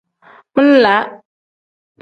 Min-laa.